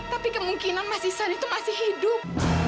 tapi kemungkinan mas isan itu masih hidup